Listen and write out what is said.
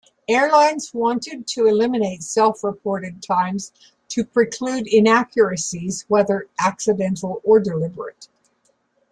Airlines wanted to eliminate self-reported times to preclude inaccuracies, whether accidental or deliberate.